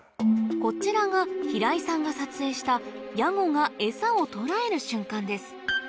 こちらが平井さんが撮影したヤゴがエサを捕らえる瞬間です